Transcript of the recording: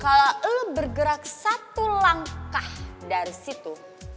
kalau bergerak satu langkah dari situ